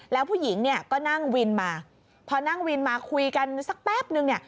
แล้วผู้หญิงก็นั่งวินมาพอนั่งวินมาคุยกันสักแป๊บนึง